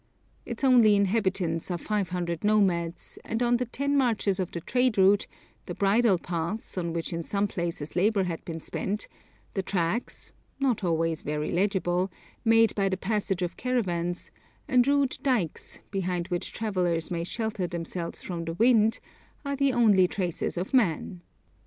Its only inhabitants are 500 nomads, and on the ten marches of the trade route, the bridle paths, on which in some places labour has been spent, the tracks, not always very legible, made by the passage of caravans, and rude dykes, behind which travellers may shelter themselves from the wind, are the only traces of man.